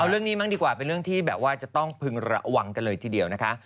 เรื่องนี้บ้างดีกว่าเป็นเรื่องที่แบบว่าจะต้องพึงระวังกันเลยทีเดียวนะคะ